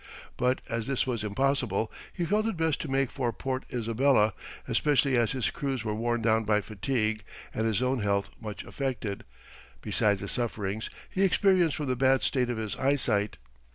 But as this was impossible, he felt it best to make for Port Isabella, especially as his crews were worn down by fatigue, and his own health much affected, besides the sufferings he experienced from the bad state of his eyesight.